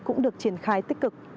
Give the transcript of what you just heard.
cũng được triển khai tích cực